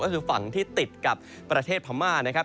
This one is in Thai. ก็คือฝั่งที่ติดกับประเทศพม่านะครับ